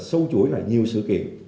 sâu chuỗi lại nhiều sự kiện